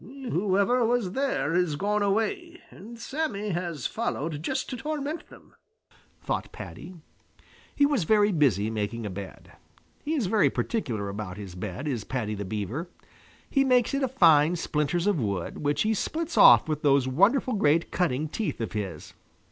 "Whoever was there has gone away, and Sammy has followed just to torment them," thought Paddy. He was very busy making a bed. He is very particular about his bed, is Paddy the Beaver. He makes it of fine splinters of wood which he splits off with those wonderful great cutting teeth of his.